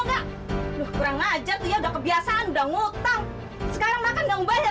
enggak lo kurang ngajar dia udah kebiasaan udah ngutang sekarang makan gak mau bayar